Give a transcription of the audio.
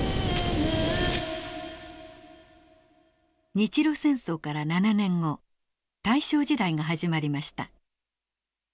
日露戦争から７年後大正時代が始まりました。